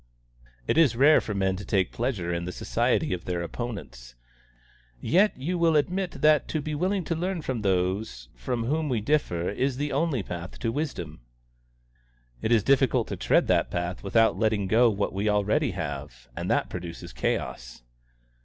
"It is rare for men to take pleasure in the society of their opponents." "Yet you will admit that to be willing to learn from those from whom we differ is the only path to wisdom." "It is difficult to tread that path without letting go what we already have, and that produces chaos."